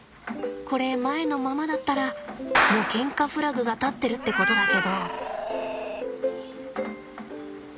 これ前のままだったらもうケンカフラグが立ってるってことだけど？